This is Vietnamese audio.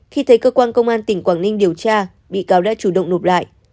khi thấy cơ quan công an tỉnh quảng ninh điều tra bị cáo đã chủ động nộp lại